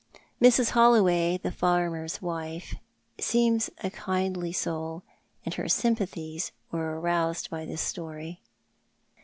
Mrs. Holloway, the farmer's wife, seems a kindly soul, and her sympathies were aroused by this story."